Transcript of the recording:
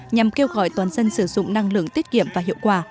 nhằm kêu gọi toàn dân sử dụng năng lượng tiết kiệm và hiệu quả